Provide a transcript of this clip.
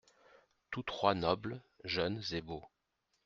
Tous trois nobles, jeunes et beaux.